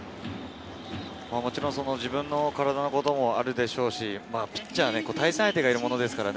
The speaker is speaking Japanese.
もちろん自分の体のこともあるでしょうし、ピッチャー、対戦相手がいるものですからね。